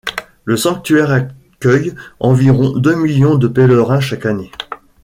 Le sanctuaire accueille environ deux millions de pèlerins chaque année.